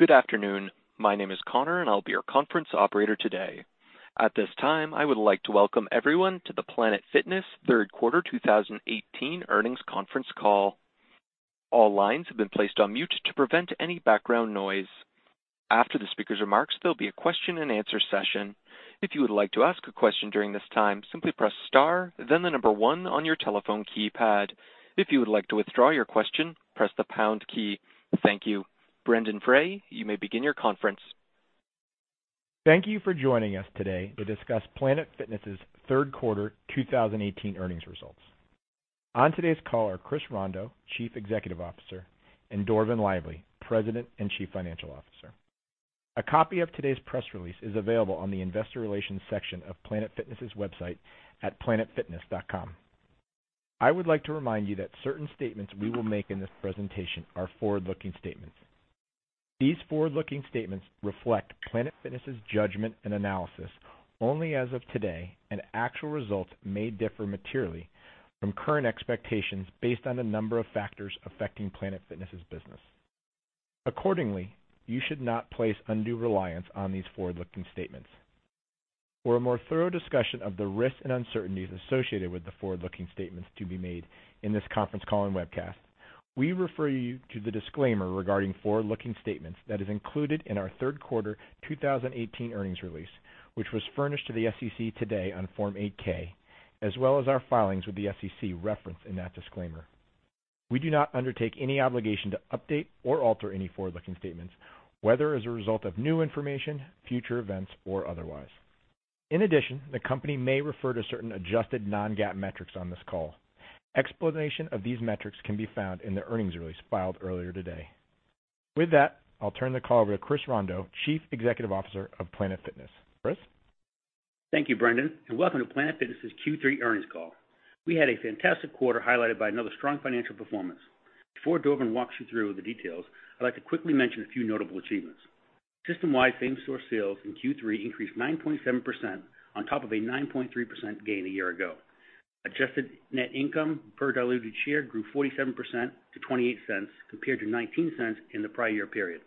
Good afternoon. My name is Connor, and I'll be your conference operator today. At this time, I would like to welcome everyone to the Planet Fitness third quarter 2018 earnings conference call. All lines have been placed on mute to prevent any background noise. After the speaker's remarks, there'll be a question and answer session. If you would like to ask a question during this time, simply press star, then the number one on your telephone keypad. If you would like to withdraw your question, press the pound key. Thank you. Brendon Frey, you may begin your conference. Thank you for joining us today to discuss Planet Fitness's third quarter 2018 earnings results. On today's call are Chris Rondeau, Chief Executive Officer, and Dorvin Lively, President and Chief Financial Officer. A copy of today's press release is available on the investor relations section of planetfitness.com. I would like to remind you that certain statements we will make in this presentation are forward-looking statements. These forward-looking statements reflect Planet Fitness's judgment and analysis only as of today, actual results may differ materially from current expectations based on a number of factors affecting Planet Fitness's business. Accordingly, you should not place undue reliance on these forward-looking statements. For a more thorough discussion of the risks and uncertainties associated with the forward-looking statements to be made in this conference call and webcast, we refer you to the disclaimer regarding forward-looking statements that is included in our third quarter 2018 earnings release, which was furnished to the SEC today on Form 8-K, as well as our filings with the SEC referenced in that disclaimer. We do not undertake any obligation to update or alter any forward-looking statements, whether as a result of new information, future events, or otherwise. In addition, the company may refer to certain adjusted non-GAAP metrics on this call. Explanation of these metrics can be found in the earnings release filed earlier today. With that, I'll turn the call over to Chris Rondeau, Chief Executive Officer of Planet Fitness. Chris? Thank you, Brendon, and welcome to Planet Fitness's Q3 earnings call. We had a fantastic quarter highlighted by another strong financial performance. Before Dorvin walks you through the details, I'd like to quickly mention a few notable achievements. System-wide same-store sales in Q3 increased 9.7% on top of a 9.3% gain a year ago. Adjusted net income per diluted share grew 47% to $0.28, compared to $0.19 in the prior year period.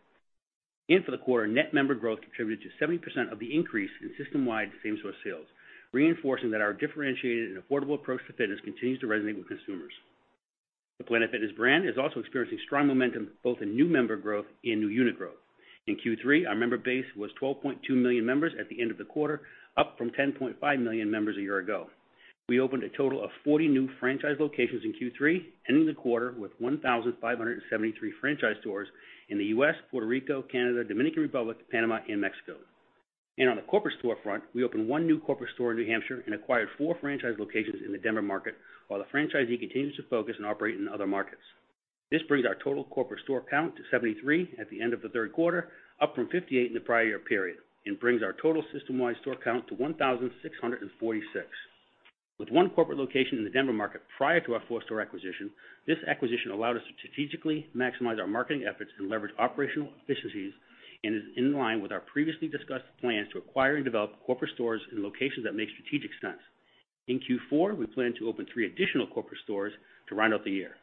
For the quarter, net member growth contributed to 70% of the increase in system-wide same-store sales, reinforcing that our differentiated and affordable approach to fitness continues to resonate with consumers. The Planet Fitness brand is also experiencing strong momentum, both in new member growth and new unit growth. In Q3, our member base was 12.2 million members at the end of the quarter, up from 10.5 million members a year ago. We opened a total of 40 new franchise locations in Q3, ending the quarter with 1,573 franchise stores in the U.S., Puerto Rico, Canada, Dominican Republic, Panama, and Mexico. On the corporate store front, we opened one new corporate store in New Hampshire and acquired 4 franchise locations in the Denver market, while the franchisee continues to focus and operate in other markets. This brings our total corporate store count to 73 at the end of the third quarter, up from 58 in the prior year period, and brings our total system-wide store count to 1,646. With one corporate location in the Denver market prior to our four-store acquisition, this acquisition allowed us to strategically maximize our marketing efforts and leverage operational efficiencies, and is in line with our previously discussed plans to acquire and develop corporate stores in locations that make strategic sense. In Q4, we plan to open three additional corporate stores to round out the year.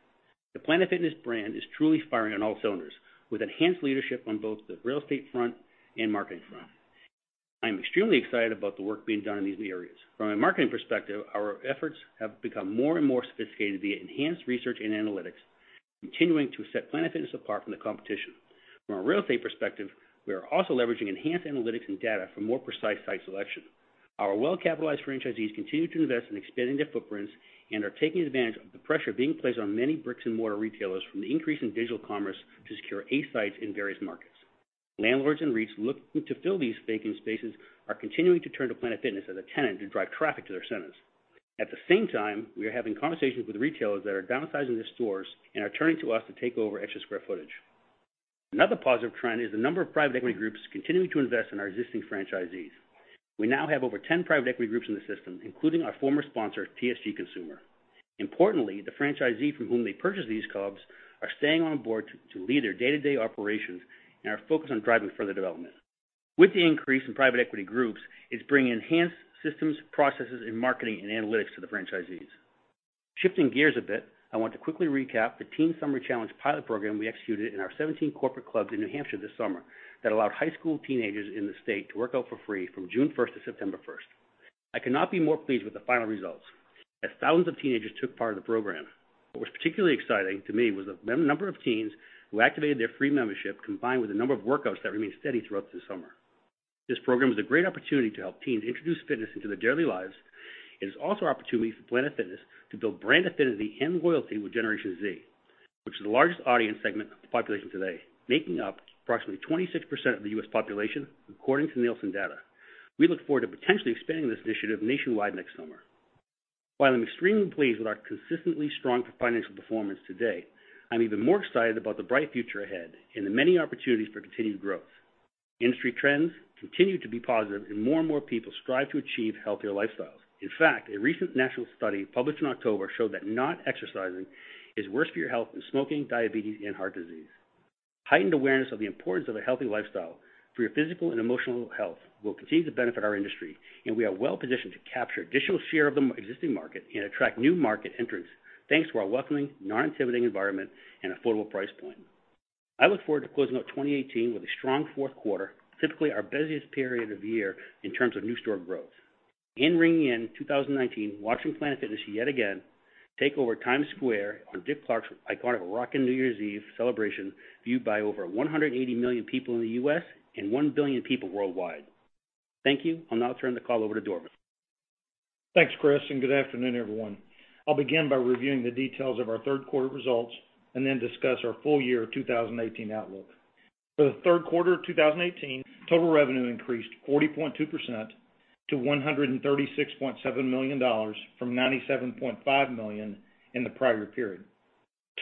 The Planet Fitness brand is truly firing on all cylinders, with enhanced leadership on both the real estate front and marketing front. I'm extremely excited about the work being done in these new areas. From a marketing perspective, our efforts have become more and more sophisticated via enhanced research and analytics, continuing to set Planet Fitness apart from the competition. From a real estate perspective, we are also leveraging enhanced analytics and data for more precise site selection. Our well-capitalized franchisees continue to invest in expanding their footprints and are taking advantage of the pressure being placed on many bricks and mortar retailers from the increase in digital commerce to secure 8 sites in various markets. Landlords and REITs looking to fill these vacant spaces are continuing to turn to Planet Fitness as a tenant to drive traffic to their centers. At the same time, we are having conversations with retailers that are downsizing their stores and are turning to us to take over extra square footage. Another positive trend is the number of private equity groups continuing to invest in our existing franchisees. We now have over 10 private equity groups in the system, including our former sponsor, TSG Consumer. Importantly, the franchisee from whom they purchased these clubs are staying on board to lead their day-to-day operations and are focused on driving further development. With the increase in private equity groups, it's bringing enhanced systems, processes, and marketing and analytics to the franchisees. Shifting gears a bit, I want to quickly recap the Teen Summer Challenge pilot program we executed in our 17 corporate clubs in New Hampshire this summer that allowed high school teenagers in the state to work out for free from June first to September first. I cannot be more pleased with the final results, as thousands of teenagers took part in the program. What was particularly exciting to me was the number of teens who activated their free membership, combined with the number of workouts that remained steady throughout the summer. This program is a great opportunity to help teens introduce fitness into their daily lives. It is also an opportunity for Planet Fitness to build brand affinity and loyalty with Generation Z, which is the largest audience segment of the population today, making up approximately 26% of the U.S. population, according to Nielsen data. We look forward to potentially expanding this initiative nationwide next summer. While I'm extremely pleased with our consistently strong financial performance today, I'm even more excited about the bright future ahead and the many opportunities for continued growth. Industry trends continue to be positive, and more and more people strive to achieve healthier lifestyles. In fact, a recent national study published in October showed that not exercising is worse for your health than smoking, diabetes, and heart disease. Heightened awareness of the importance of a healthy lifestyle for your physical and emotional health will continue to benefit our industry, and we are well positioned to capture additional share of the existing market and attract new market entrants thanks to our welcoming, non-intimidating environment and affordable price point. I look forward to closing out 2018 with a strong fourth quarter, typically our busiest period of the year in terms of new store growth. Ringing in 2019, watching Planet Fitness yet again take over Times Square on Dick Clark's iconic Rockin' New Year's Eve celebration, viewed by over 180 million people in the U.S. and 1 billion people worldwide. Thank you. I'll now turn the call over to Dorvin. Thanks, Chris, and good afternoon, everyone. I'll begin by reviewing the details of our third quarter results and then discuss our full year 2018 outlook. For the third quarter of 2018, total revenue increased 40.2% to $136.7 million from $97.5 million in the prior period.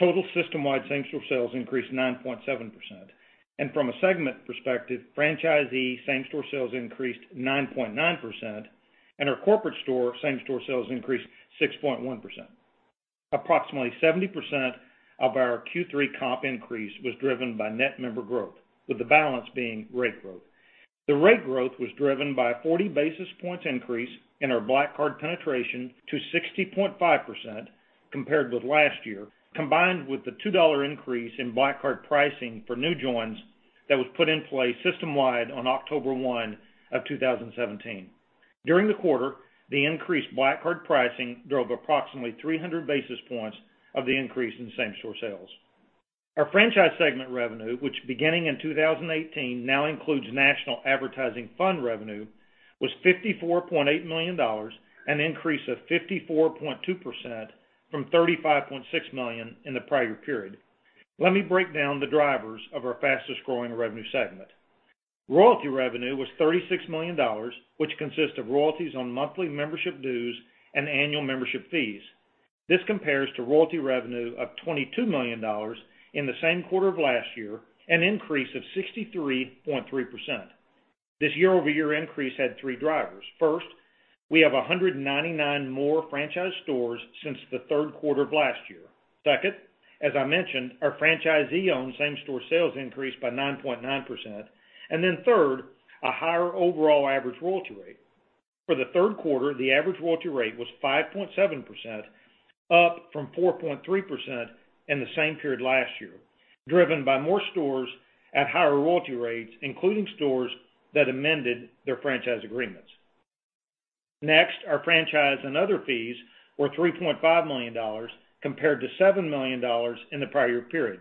Total system-wide same-store sales increased 9.7%. From a segment perspective, franchisee same-store sales increased 9.9%, and our corporate store same-store sales increased 6.1%. Approximately 70% of our Q3 comp increase was driven by net member growth, with the balance being rate growth. The rate growth was driven by a 40 basis points increase in our PF Black Card penetration to 60.5% compared with last year, combined with the $2 increase in PF Black Card pricing for new joins that was put in place system-wide on October 1 of 2017. During the quarter, the increased PF Black Card pricing drove approximately 300 basis points of the increase in same-store sales. Our franchise segment revenue, which beginning in 2018 now includes national advertising fund revenue, was $54.8 million, an increase of 54.2% from $35.6 million in the prior period. Let me break down the drivers of our fastest-growing revenue segment. Royalty revenue was $36 million, which consists of royalties on monthly membership dues and annual membership fees. This compares to royalty revenue of $22 million in the same quarter of last year, an increase of 63.3%. This year-over-year increase had three drivers. First, we have 199 more franchise stores since the third quarter of last year. Second, as I mentioned, our franchisee-owned same-store sales increased by 9.9%. Third, a higher overall average royalty rate. Our franchise and other fees were $3.5 million compared to $7 million in the prior period.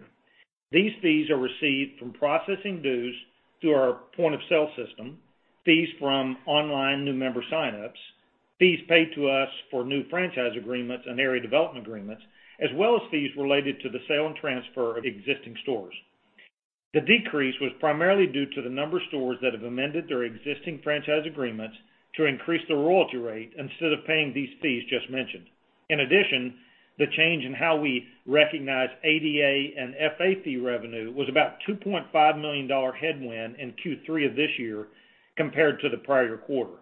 These fees are received from processing dues through our point-of-sale system, fees from online new member sign-ups, fees paid to us for new franchise agreements and area development agreements, as well as fees related to the sale and transfer of existing stores. The decrease was primarily due to the number of stores that have amended their existing franchise agreements to increase the royalty rate instead of paying these fees just mentioned. For the third quarter, the average royalty rate was 5.7%, up from 4.3% in the same period last year, driven by more stores at higher royalty rates, including stores that amended their franchise agreements. In addition, the change in how we recognize ADA and FA fee revenue was about a $2.5 million headwind in Q3 of this year compared to the prior quarter.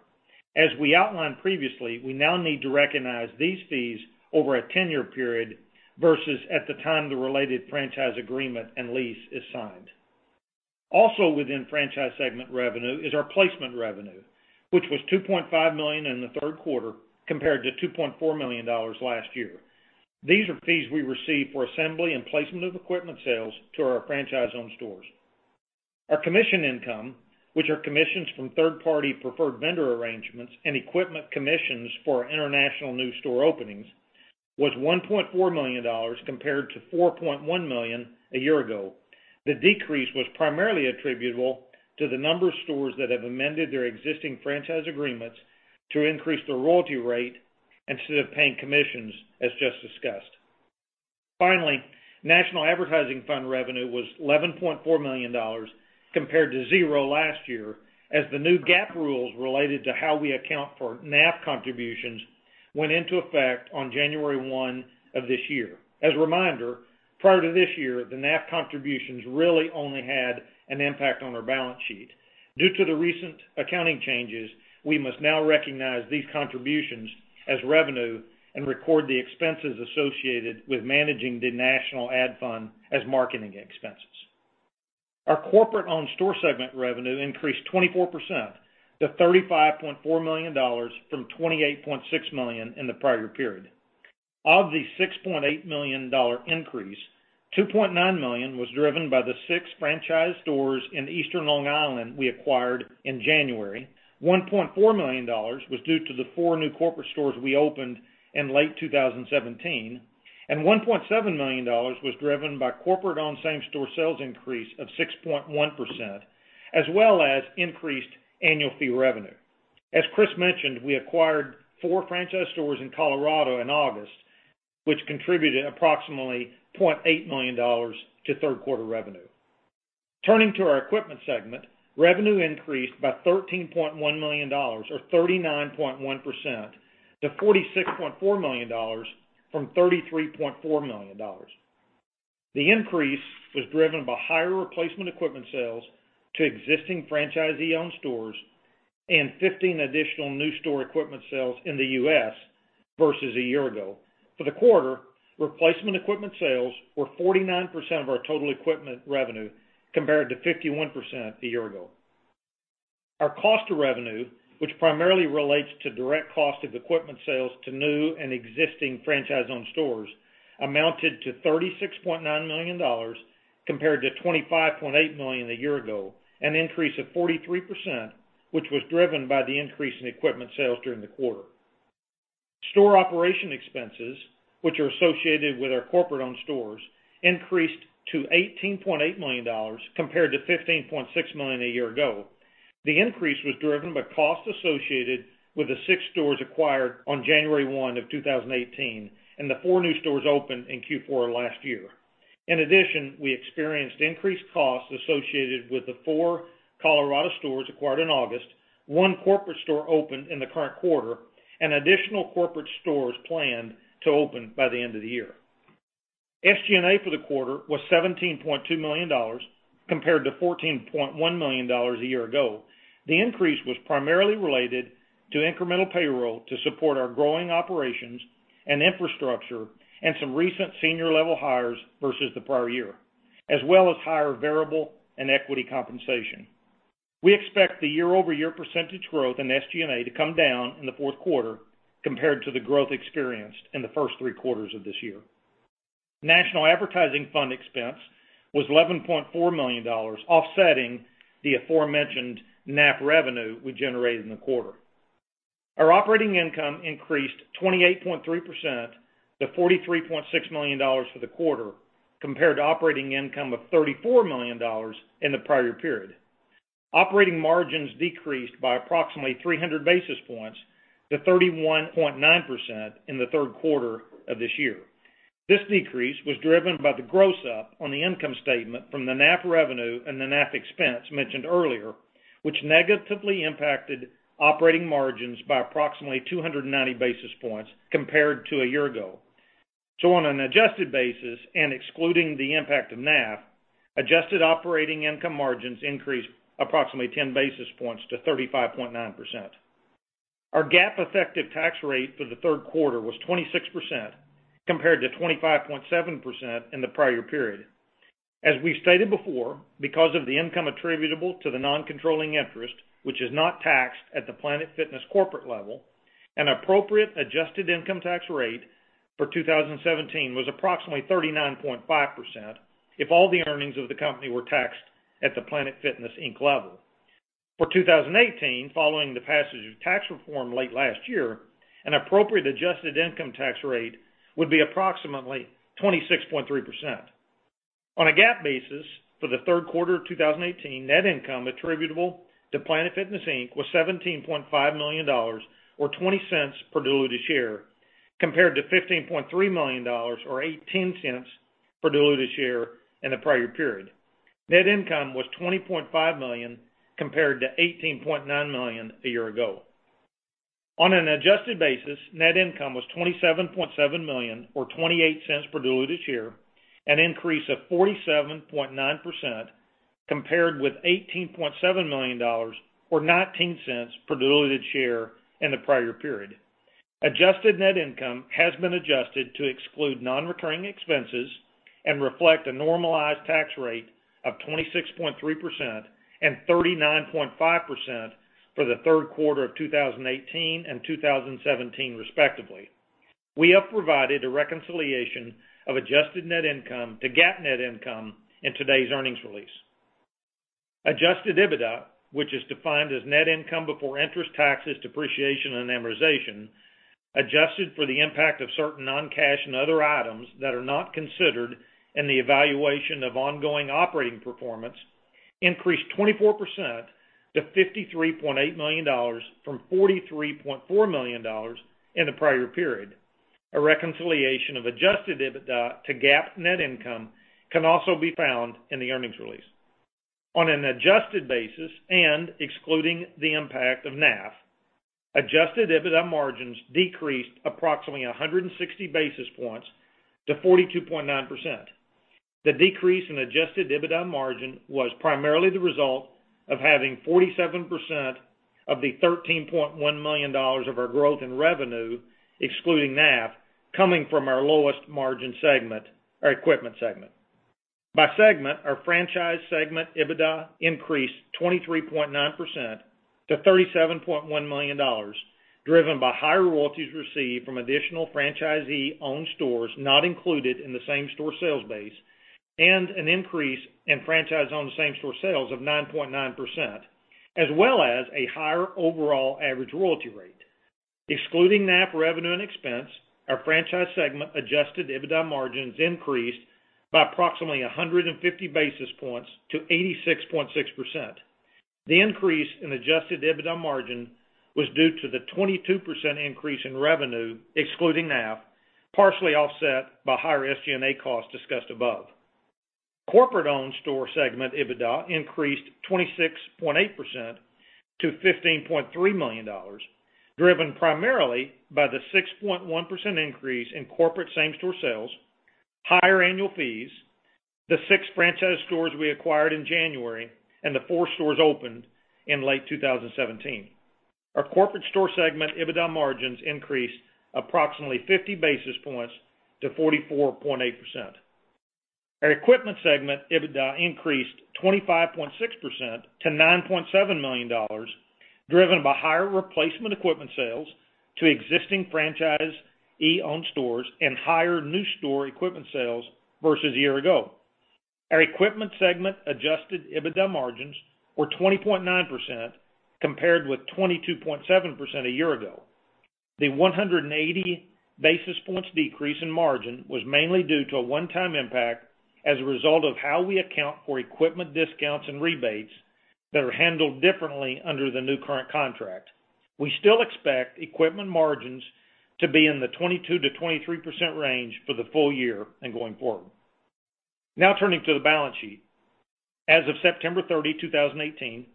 As we outlined previously, we now need to recognize these fees over a 10-year period versus at the time the related franchise agreement and lease is signed. Also within franchise segment revenue is our placement revenue, which was $2.5 million in the third quarter compared to $2.4 million last year. These are fees we receive for assembly and placement of equipment sales to our franchise-owned stores. Our commission income, which are commissions from third-party preferred vendor arrangements and equipment commissions for our international new store openings, was $1.4 million compared to $4.1 million a year ago. The decrease was primarily attributable to the number of stores that have amended their existing franchise agreements to increase the royalty rate instead of paying commissions, as just discussed. National advertising fund revenue was $11.4 million compared to zero last year, as the new GAAP rules related to how we account for NAF contributions went into effect on January 1 of this year. As a reminder, prior to this year, the NAF contributions really only had an impact on our balance sheet. Due to the recent accounting changes, we must now recognize these contributions as revenue and record the expenses associated with managing the national ad fund as marketing expenses. Our corporate-owned store segment revenue increased 24% to $35.4 million from $28.6 million in the prior period. Of the $6.8 million increase, $2.9 million was driven by the six franchise stores in Eastern Long Island we acquired in January. $1.4 million was due to the four new corporate stores we opened in late 2017, and $1.7 million was driven by corporate on same-store sales increase of 6.1%, as well as increased annual fee revenue. As Chris mentioned, we acquired four franchise stores in Colorado in August, which contributed approximately $0.8 million to third quarter revenue. Our equipment segment, revenue increased by $13.1 million or 39.1% to $46.4 million from $33.4 million. The increase was driven by higher replacement equipment sales to existing franchisee-owned stores. 15 additional new store equipment sales in the U.S. versus a year ago. For the quarter, replacement equipment sales were 49% of our total equipment revenue, compared to 51% a year ago. Our cost of revenue, which primarily relates to direct cost of equipment sales to new and existing franchise-owned stores, amounted to $36.9 million, compared to $25.8 million a year ago, an increase of 43%, which was driven by the increase in equipment sales during the quarter. Store operation expenses, which are associated with our corporate-owned stores, increased to $18.8 million, compared to $15.6 million a year ago. The increase was driven by costs associated with the six stores acquired on January 1 of 2018 and the four new stores opened in Q4 last year. In addition, we experienced increased costs associated with the four Colorado stores acquired in August, one corporate store opened in the current quarter, and additional corporate stores planned to open by the end of the year. SG&A for the quarter was $17.2 million, compared to $14.1 million a year ago. The increase was primarily related to incremental payroll to support our growing operations and infrastructure and some recent senior-level hires versus the prior year, as well as higher variable and equity compensation. We expect the year-over-year percentage growth in SG&A to come down in the fourth quarter compared to the growth experienced in the first three quarters of this year. National advertising fund expense was $11.4 million, offsetting the aforementioned NAF revenue we generated in the quarter. Our operating income increased 28.3% to $43.6 million for the quarter, compared to operating income of $34 million in the prior period. Operating margins decreased by approximately 300 basis points to 31.9% in the third quarter of this year. This decrease was driven by the gross-up on the income statement from the NAF revenue and the NAF expense mentioned earlier, which negatively impacted operating margins by approximately 290 basis points compared to a year ago. On an adjusted basis and excluding the impact of NAF, adjusted operating income margins increased approximately 10 basis points to 35.9%. Our GAAP effective tax rate for the third quarter was 26%, compared to 25.7% in the prior period. As we stated before, because of the income attributable to the non-controlling interest, which is not taxed at the Planet Fitness corporate level, an appropriate adjusted income tax rate for 2017 was approximately 39.5% if all the earnings of the company were taxed at the Planet Fitness Inc. level. For 2018, following the passage of tax reform late last year, an appropriate adjusted income tax rate would be approximately 26.3%. On a GAAP basis for the third quarter of 2018, net income attributable to Planet Fitness Inc. was $17.5 million, or $0.20 per diluted share, compared to $15.3 million or $0.18 per diluted share in the prior period. Net income was $20.5 million compared to $18.9 million a year ago. On an adjusted basis, net income was $27.7 million or $0.28 per diluted share, an increase of 47.9% compared with $18.7 million or $0.19 per diluted share in the prior period. Adjusted net income has been adjusted to exclude non-recurring expenses and reflect a normalized tax rate of 26.3% and 39.5% for the third quarter of 2018 and 2017, respectively. We have provided a reconciliation of adjusted net income to GAAP net income in today's earnings release. Adjusted EBITDA, which is defined as net income before interest, taxes, depreciation, and amortization, adjusted for the impact of certain non-cash and other items that are not considered in the evaluation of ongoing operating performance, increased 24% to $53.8 million from $43.4 million in the prior period. A reconciliation of adjusted EBITDA to GAAP net income can also be found in the earnings release. On an adjusted basis and excluding the impact of NAF, adjusted EBITDA margins decreased approximately 160 basis points to 42.9%. The decrease in adjusted EBITDA margin was primarily the result of having 47% of the $13.1 million of our growth in revenue, excluding NAF, coming from our lowest margin segment, our equipment segment. By segment, our franchise segment EBITDA increased 23.9% to $37.1 million, driven by higher royalties received from additional franchisee-owned stores not included in the same-store sales base and an increase in franchise-owned same-store sales of 9.9%, as well as a higher overall average royalty rate. Excluding NAF revenue and expense, our franchise segment adjusted EBITDA margins increased by approximately 150 basis points to 86.6%. The increase in adjusted EBITDA margin was due to the 22% increase in revenue, excluding NAF, partially offset by higher SG&A costs discussed above. Corporate-owned store segment EBITDA increased 26.8% to $15.3 million, driven primarily by the 6.1% increase in corporate same-store sales, higher annual fees. The six franchise stores we acquired in January and the four stores opened in late 2017. Our corporate store segment EBITDA margins increased approximately 50 basis points to 44.8%. Our equipment segment EBITDA increased 25.6% to $9.7 million, driven by higher replacement equipment sales to existing franchisee-owned stores and higher new store equipment sales versus a year ago. Our equipment segment adjusted EBITDA margins were 20.9%, compared with 22.7% a year ago. The 180 basis points decrease in margin was mainly due to a one-time impact as a result of how we account for equipment discounts and rebates that are handled differently under the new current contract. We still expect equipment margins to be in the 22%-23% range for the full year and going forward. Turning to the balance sheet. As of September 30, 2018,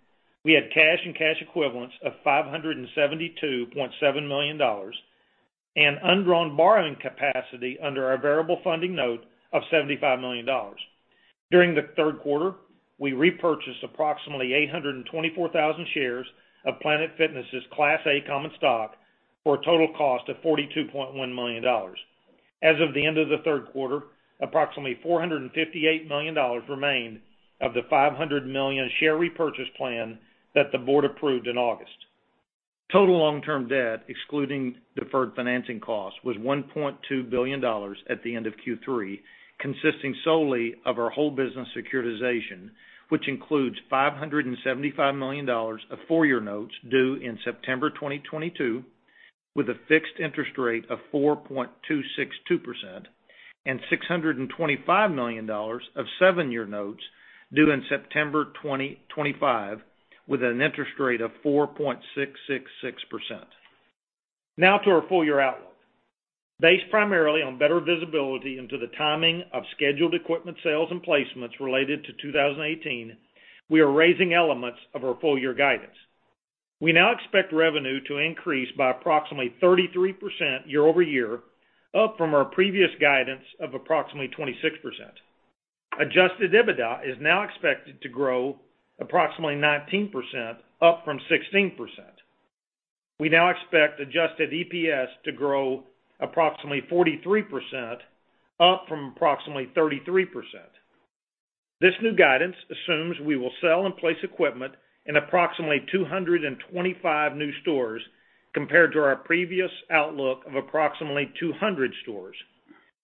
we had cash and cash equivalents of $572.7 million and undrawn borrowing capacity under our variable funding note of $75 million. During the third quarter, we repurchased approximately 824,000 shares of Planet Fitness's Class A common stock for a total cost of $42.1 million. As of the end of the third quarter, approximately $458 million remained of the 500 million share repurchase plan that the board approved in August. Total long-term debt, excluding deferred financing costs, was $1.2 billion at the end of Q3, consisting solely of our whole business securitization, which includes $575 million of four-year notes due in September 2022, with a fixed interest rate of 4.262%, and $625 million of seven-year notes due in September 2025, with an interest rate of 4.666%. To our full-year outlook. Based primarily on better visibility into the timing of scheduled equipment sales and placements related to 2018, we are raising elements of our full-year guidance. We now expect revenue to increase by approximately 33% year over year, up from our previous guidance of approximately 26%. Adjusted EBITDA is now expected to grow approximately 19%, up from 16%. We now expect adjusted EPS to grow approximately 43%, up from approximately 33%. This new guidance assumes we will sell and place equipment in approximately 225 new stores compared to our previous outlook of approximately 200 stores.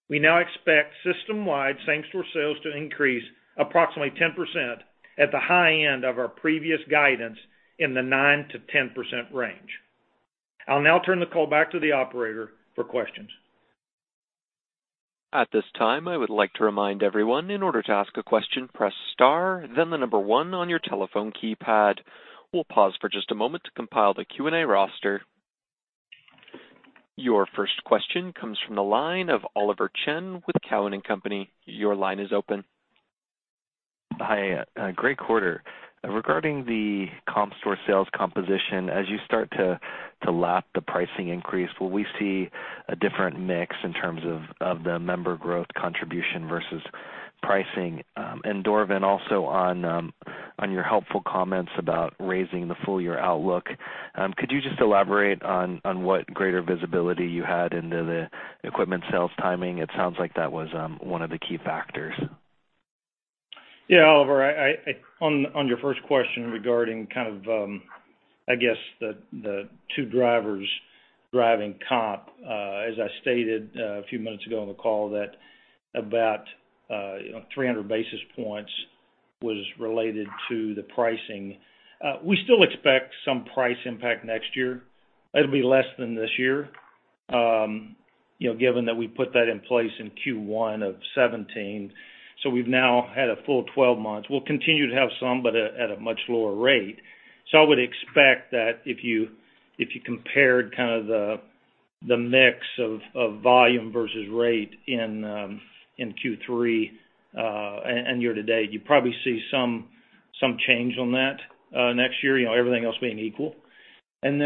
We now expect system-wide same-store sales to increase approximately 10% at the high end of our previous guidance in the 9%-10% range. I'll now turn the call back to the operator for questions. At this time, I would like to remind everyone, in order to ask a question, press star, then the number one on your telephone keypad. We'll pause for just a moment to compile the Q&A roster. Your first question comes from the line of Oliver Chen with Cowen and Company. Your line is open. Hi. Great quarter. Regarding the comp store sales composition, as you start to lap the pricing increase, will we see a different mix in terms of the member growth contribution versus pricing? Dorvin, also on your helpful comments about raising the full-year outlook, could you just elaborate on what greater visibility you had into the equipment sales timing? It sounds like that was one of the key factors. Yeah, Oliver, on your first question regarding the two drivers driving comp. As I stated a few minutes ago on the call, about 300 basis points was related to the pricing. We still expect some price impact next year. It'll be less than this year, given that we put that in place in Q1 of 2017, so we've now had a full 12 months. We'll continue to have some, but at a much lower rate. I would expect that if you compared the mix of volume versus rate in Q3 and year to date, you'd probably see some change on that next year, everything else being equal. In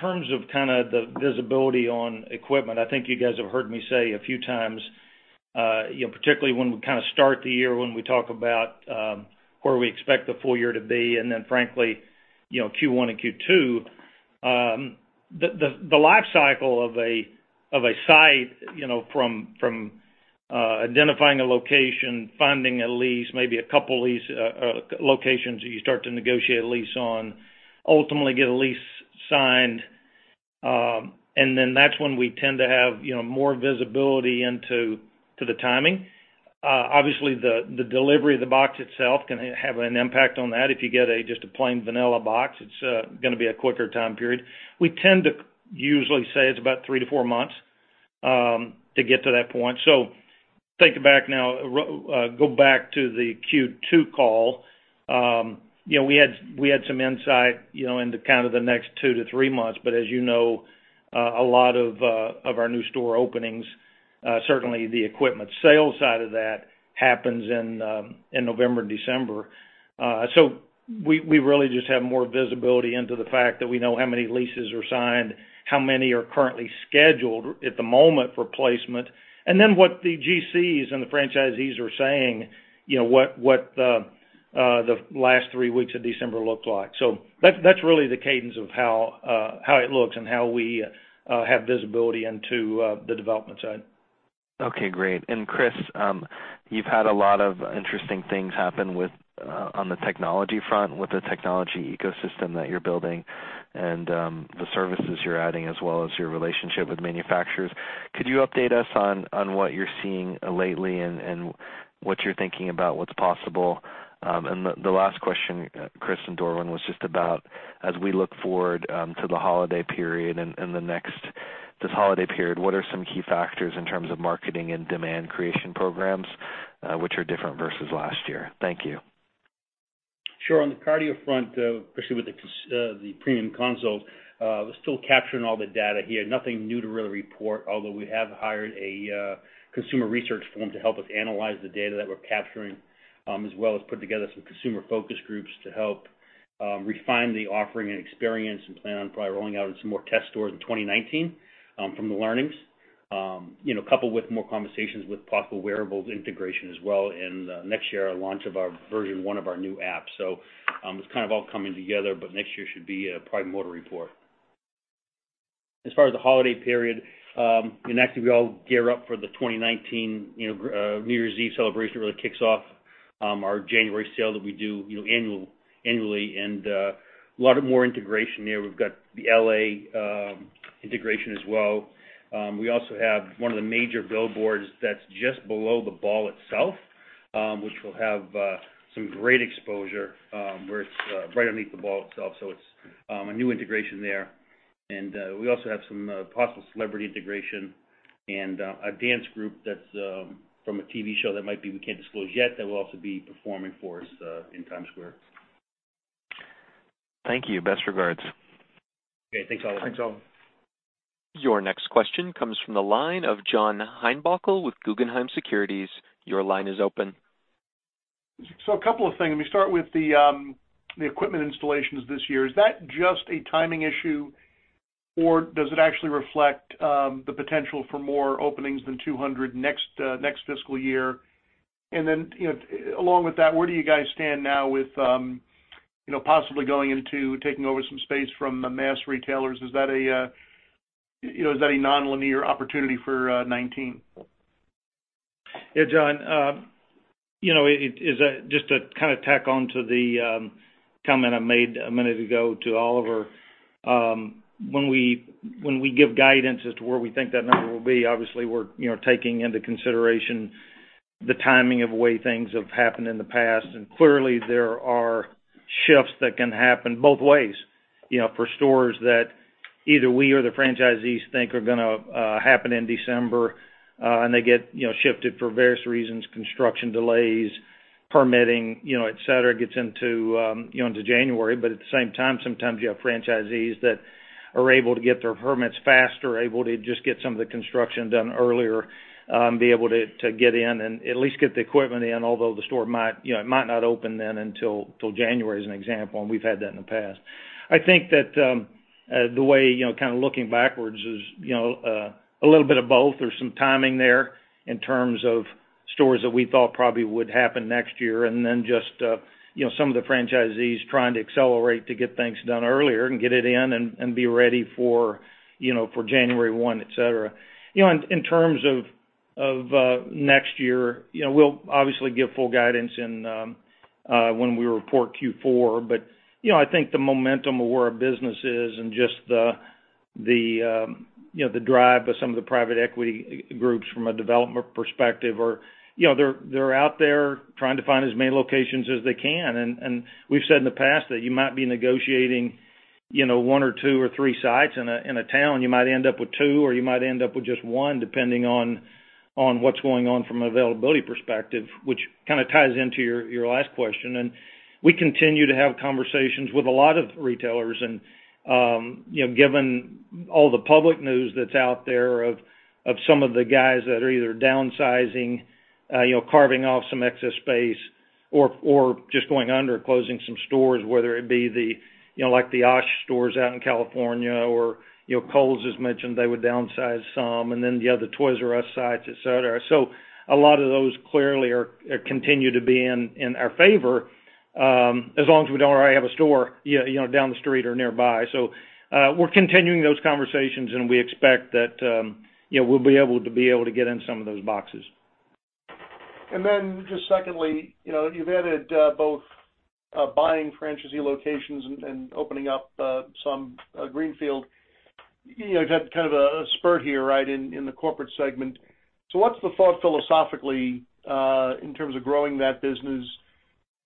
terms of the visibility on equipment, I think you guys have heard me say a few times, particularly when we start the year, when we talk about where we expect the full year to be, Q1 and Q2. The life cycle of a site from identifying a location, finding a lease, maybe a couple lease locations that you start to negotiate a lease on, ultimately get a lease signed, that's when we tend to have more visibility into the timing. Obviously, the delivery of the box itself can have an impact on that. If you get just a plain vanilla box, it's going to be a quicker time period. We tend to usually say it's about three to four months to get to that point. Thinking back now, go back to the Q2 call. We had some insight into the next two to three months. As you know, a lot of our new store openings, certainly the equipment sales side of that happens in November, December. We really just have more visibility into the fact that we know how many leases are signed, how many are currently scheduled at the moment for placement. What the GCs and the franchisees are saying, what the last three weeks of December looked like. That's really the cadence of how it looks and how we have visibility into the development side. Okay, great. Chris, you've had a lot of interesting things happen on the technology front with the technology ecosystem that you're building and the services you're adding as well as your relationship with manufacturers. Could you update us on what you're seeing lately and what you're thinking about what's possible? The last question, Chris and Dorvin, was just about, as we look forward to the holiday period and this holiday period, what are some key factors in terms of marketing and demand creation programs, which are different versus last year? Thank you. Sure. On the cardio front, especially with the premium consoles, we're still capturing all the data here. Nothing new to really report, although we have hired a consumer research firm to help us analyze the data that we're capturing, as well as put together some consumer focus groups to help refine the offering and experience and plan on probably rolling out in some more test stores in 2019 from the learnings. Coupled with more conversations with possible wearables integration as well and next year, our launch of our version 1 of our new app. It's kind of all coming together, but next year should be probably more to report. As far as the holiday period, in October, we all gear up for the 2019 New Year's Eve celebration. It really kicks off our January sale that we do annually and a lot more integration there. We've got the L.A. integration as well. We also have one of the major billboards that's just below the ball itself, which will have some great exposure where it's right underneath the ball itself. It's a new integration there. We also have some possible celebrity integration and a dance group that's from a TV show that might be we can't disclose yet that will also be performing for us in Times Square. Thank you. Best regards. Okay, thanks, Oliver. Thanks, Oliver. Your next question comes from the line of John Heinbockel with Guggenheim Securities. Your line is open. A couple of things. Let me start with the equipment installations this year. Is that just a timing issue, or does it actually reflect the potential for more openings than 200 next fiscal year? Along with that, where do you guys stand now with possibly going into taking over some space from the mass retailers? Is that a nonlinear opportunity for 2019? Yeah, John. Just to kind of tack onto the comment I made a minute ago to Oliver. When we give guidance as to where we think that number will be, obviously, we're taking into consideration the timing of way things have happened in the past, and clearly, there are shifts that can happen both ways. For stores that either we or the franchisees think are going to happen in December, and they get shifted for various reasons, construction delays, permitting, et cetera, gets into January. At the same time, sometimes you have franchisees that are able to get their permits faster, able to just get some of the construction done earlier, be able to get in and at least get the equipment in, although the store might not open then until January, as an example, and we've had that in the past. I think that the way, kind of looking backwards is, a little bit of both. There's some timing there in terms of stores that we thought probably would happen next year, and then just some of the franchisees trying to accelerate to get things done earlier and get it in and be ready for January 1, et cetera. In terms of next year, we'll obviously give full guidance when we report Q4. I think the momentum of where our business is and just the drive of some of the private equity groups from a development perspective or they're out there trying to find as many locations as they can. We've said in the past that you might be negotiating one or two or three sites in a town. You might end up with two, or you might end up with just one, depending on what's going on from an availability perspective, which kind of ties into your last question. We continue to have conversations with a lot of retailers, and given all the public news that's out there of some of the guys that are either downsizing, carving off some excess space or just going under, closing some stores, whether it be like the Osh stores out in California or Kohl's, as mentioned, they would downsize some, and then the other Toys"R"Us sites, et cetera. A lot of those clearly continue to be in our favor, as long as we don't already have a store down the street or nearby. We're continuing those conversations, and we expect that we'll be able to get in some of those boxes. Just secondly, you've added both buying franchisee locations and opening up some greenfield. You've had kind of a spurt here right in the corporate segment. What's the thought philosophically, in terms of growing that business?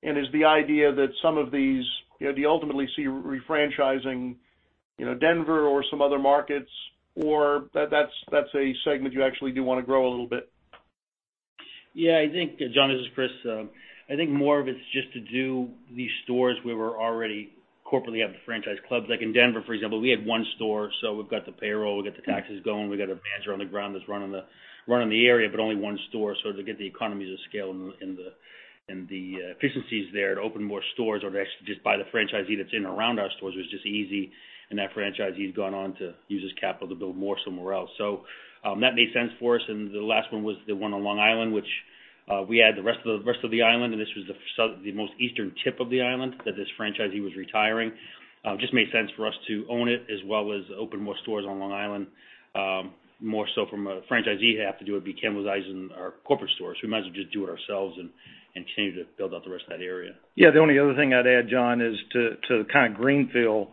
Is the idea that some of these, do you ultimately see refranchising Denver or some other markets, or that's a segment you actually do want to grow a little bit? Yeah, John, this is Chris. I think more of it's just to do these stores where we already corporately have the franchise clubs. Like in Denver, for example, we had one store, so we've got the payroll, we've got the taxes going, we got a manager on the ground that's running the area, but only one store. To get the economies of scale and the efficiencies there to open more stores or to actually just buy the franchisee that's in or around our stores was just easy, and that franchisee's gone on to use his capital to build more somewhere else. That made sense for us, and the last one was the one on Long Island. We had the rest of the island, and this was the most eastern tip of the island that this franchisee was retiring. Just made sense for us to own it as well as open more stores on Long Island. More so from a franchisee half to do it, be cannibalizing our corporate stores. We might as well just do it ourselves and continue to build out the rest of that area. Yeah. The only other thing I'd add, John, is to kind of greenfield.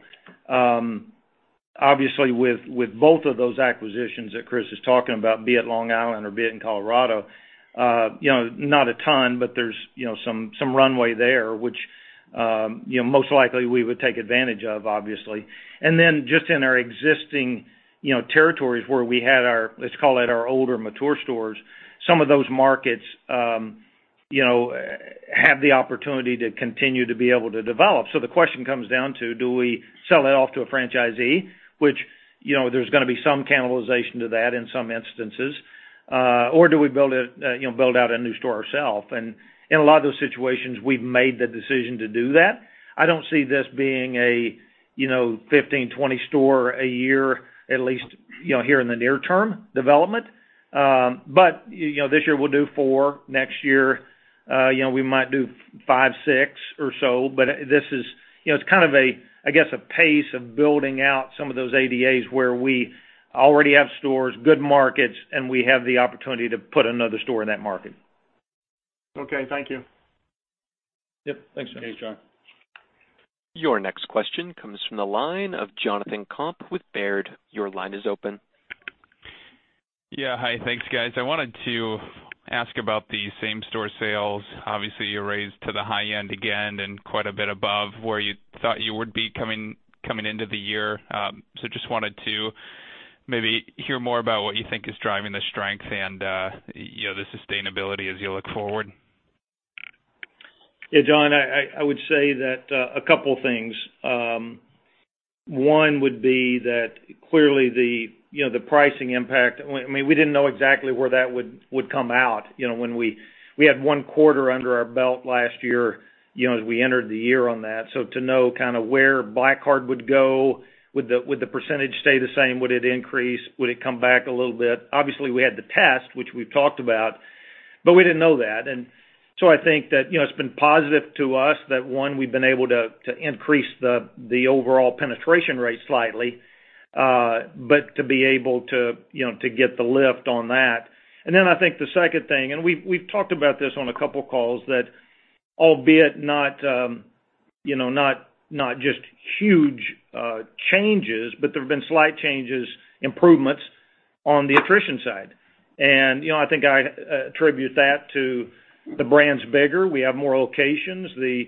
Obviously, with both of those acquisitions that Chris is talking about, be it Long Island or be it in Colorado, not a ton, but there's some runway there, which most likely we would take advantage of, obviously. Just in our existing territories where we had our, let's call it, our older mature stores, some of those markets have the opportunity to continue to be able to develop. The question comes down to, do we sell it off to a franchisee? Which there's going to be some cannibalization to that in some instances. Do we build out a new store ourself? In a lot of those situations, we've made the decision to do that. I don't see this being a 15, 20 store a year, at least, here in the near term development. This year we'll do four. Next year, we might do five, six or so. It's kind of a, I guess, a pace of building out some of those ADAs where we already have stores, good markets, and we have the opportunity to put another store in that market. Okay. Thank you. Yep. Thanks, John. Thanks, John. Your next question comes from the line of Jonathan Komp with Baird. Your line is open. Yeah. Hi. Thanks, guys. I wanted to ask about the same store sales. Obviously, you raised to the high end again and quite a bit above where you thought you would be coming into the year. Just wanted to maybe hear more about what you think is driving the strengths and the sustainability as you look forward. Yeah, John, I would say that a couple things. One would be that clearly the pricing impact, we didn't know exactly where that would come out when we had one quarter under our belt last year, as we entered the year on that. To know kind of where Black Card would go. Would the percentage stay the same? Would it increase? Would it come back a little bit? Obviously, we had the test, which we've talked about, but we didn't know that. I think that it's been positive to us that, one, we've been able to increase the overall penetration rate slightly, but to be able to get the lift on that. I think the second thing, and we've talked about this on a couple calls, that albeit not just huge changes, but there have been slight changes, improvements on the attrition side. I think I attribute that to the brand's bigger. We have more locations. The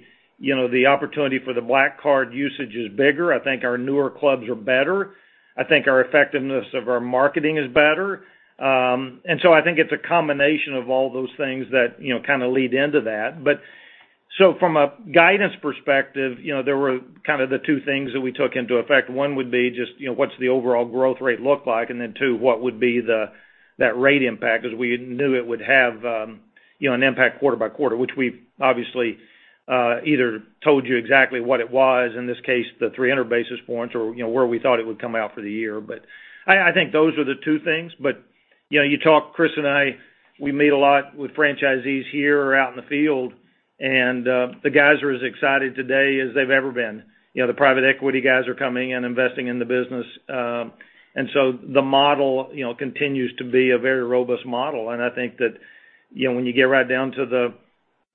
opportunity for the Black Card usage is bigger. I think our newer clubs are better. I think our effectiveness of our marketing is better. I think it's a combination of all those things that kind of lead into that. From a guidance perspective, there were kind of the two things that we took into effect. One would be just what's the overall growth rate look like? Then two, what would be that rate impact, as we knew it would have an impact quarter by quarter, which we obviously either told you exactly what it was, in this case, the 300 basis points or where we thought it would come out for the year. I think those are the two things. You talk, Chris and I, we meet a lot with franchisees here or out in the field, and the guys are as excited today as they've ever been. The private equity guys are coming and investing in the business. The model continues to be a very robust model. I think that when you get right down to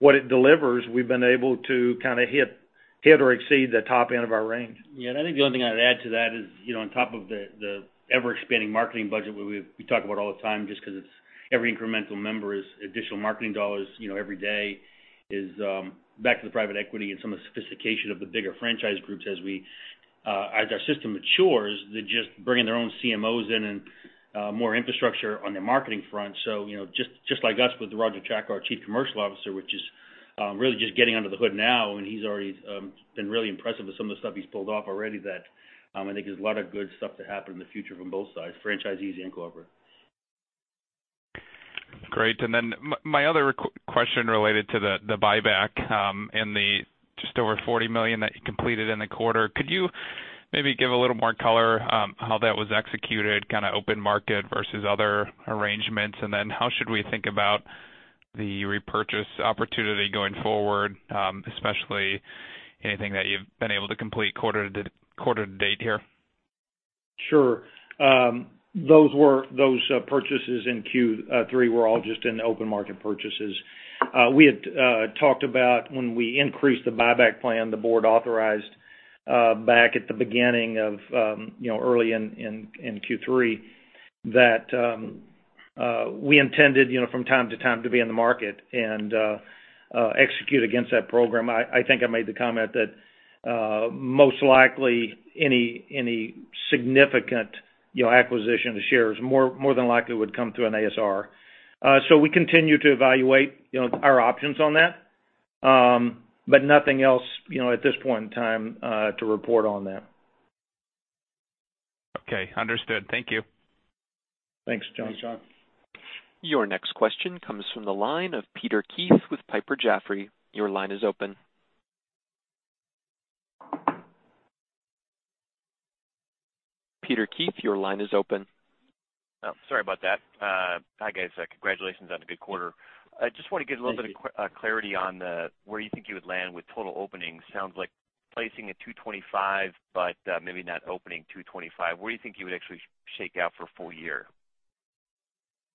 what it delivers, we've been able to kind of hit or exceed the top end of our range. Yeah. I think the only thing I'd add to that is, on top of the ever-expanding marketing budget we talk about all the time, just because it's every incremental member is additional marketing dollars every day is back to the private equity and some of the sophistication of the bigger franchise groups as our system matures, they're just bringing their own CMOs in and more infrastructure on their marketing front. Just like us with Roger Chacko, our Chief Commercial Officer, which is really just getting under the hood now, he's already been really impressive with some of the stuff he's pulled off already that I think there's a lot of good stuff to happen in the future from both sides, franchisees and corporate. Great. My other question related to the buyback and the just over $40 million that you completed in the quarter. Could you maybe give a little more color how that was executed, kind of open market versus other arrangements? How should we think about the repurchase opportunity going forward, especially anything that you've been able to complete quarter to date here? Sure. Those purchases in Q3 were all just in open market purchases. We had talked about when we increased the buyback plan, the board authorized back at the beginning of early in Q3 that we intended from time to time to be in the market and execute against that program. I think I made the comment that most likely any significant acquisition of shares more than likely would come through an ASR. We continue to evaluate our options on that. Nothing else at this point in time to report on that. Okay. Understood. Thank you. Thanks, John. Thanks, John. Your next question comes from the line of Peter Keith with Piper Jaffray. Your line is open. Peter Keith, your line is open. Oh, sorry about that. Hi, guys. Congratulations on a good quarter. I just want to get a little bit of clarity on where you think you would land with total openings. Sounds like placing at 225, but maybe not opening 225. Where do you think you would actually shake out for a full year?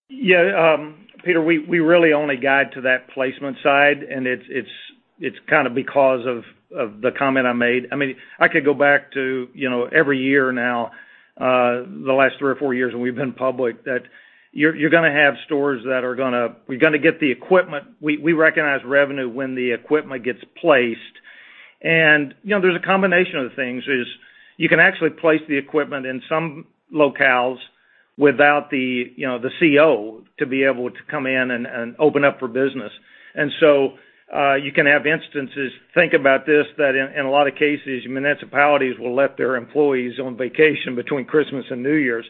Yeah. Peter, we really only guide to that placement side, it's kind of because of the comment I made. I could go back to every year now, the last three or four years when we've been public, that you're going to have stores that we're going to get the equipment. We recognize revenue when the equipment gets placed. There's a combination of things, is you can actually place the equipment in some locales without the CO to be able to come in and open up for business. You can have instances, think about this, that in a lot of cases, municipalities will let their employees on vacation between Christmas and New Year's.